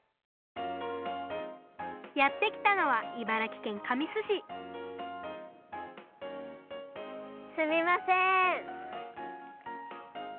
やってきたのは茨城県神栖市すみません。